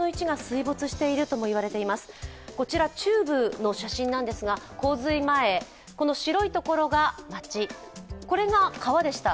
こちらは中部の写真なんですが、洪水前、この白い所が街これが川でした。